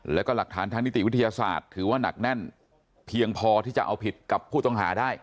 แล้วก็หลักฐานทางนิติวิทยาศาสตร์ถือว่านักแน่นเพียงพอที่จะเอาผิดกับผู้ต้องหาได้